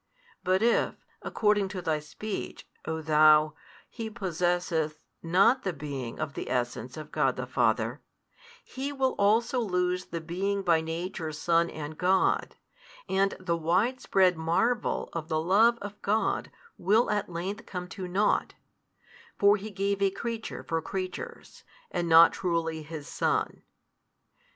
But if, according to thy speech, o thou, He possesseth not the being of the Essence of God the Father, He will also lose the being by Nature Son and God, and the wide spread marvel of the Love of God will at length come to nought: for He gave a creature for creatures, and not truly His Son.